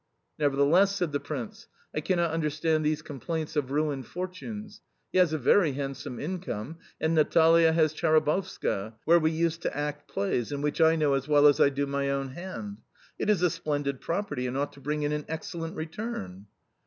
"Nevertheless" said the Prince, "I cannot understand these complaints of ruined fortunes. He has a very handsome income, and Natalia has Chabarovska, where we used to act plays, and which I know as well as I do my own hand. It is a splendid property, and ought to bring in an excellent return."